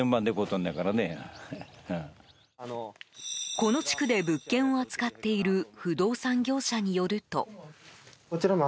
この地区で物件を扱っている不動産業者によると。